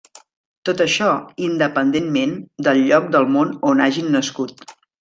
Tot això, independentment del lloc del món on hagin nascut.